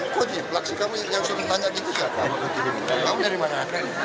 kok cip laksa kamu yang suruh tanya gitu kamu dari mana